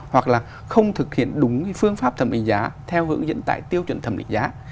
hoặc là không thực hiện đúng phương pháp thẩm định giá theo hướng dẫn tại tiêu chuẩn thẩm định giá